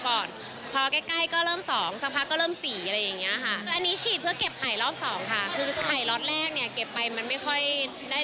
ตอนนี้นิวลองเปลี่ยนโรงพยาบาลเปลี่ยนคุณหมอดู